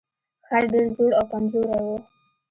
خر ډیر زوړ او کمزوری و.